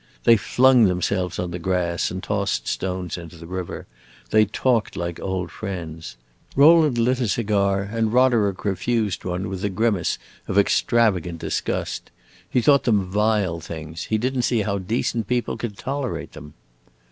They flung themselves on the grass and tossed stones into the river; they talked like old friends. Rowland lit a cigar, and Roderick refused one with a grimace of extravagant disgust. He thought them vile things; he did n't see how decent people could tolerate them.